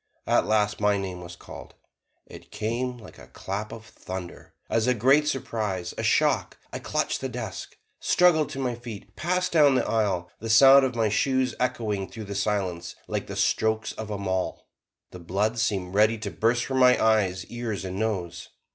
At last, my name was called: it came like a clap of thunder as a great surprise, a shock. I clutched the desk, struggled to my feet, passed down the aisle, the sound of my shoes echoing through the silence like the strokes of a maul. The blood seemed ready to burst from my eyes, ears and nose.